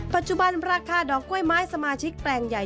ปัจจุบันราคาดอกกล้วยไม้สมาชิกแปลงใหญ่